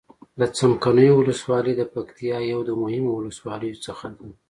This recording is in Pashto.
د څمکنيو ولسوالي د پکتيا يو د مهمو ولسواليو څخه ده.